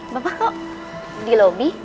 bapak kok di lobi